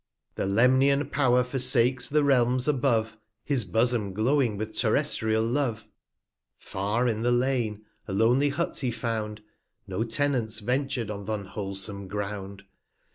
12 r K ir i A The Lemnian Pow'r forsakes the Realms above, His Bosom glowing with terrestrial Love: 250 Far in the Lane, a lonely Hut he found, No Tenant ventur'd on th' unwholesome Ground.